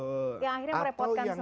yang akhirnya merepotkan semuanya